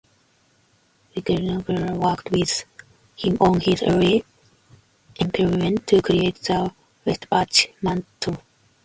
Ignaz Kreidl worked with him on his early experiments to create the Welsbach mantle.